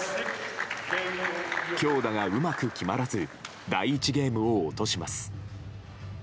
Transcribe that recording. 強打がうまく決まらず第１ゲームを落とします。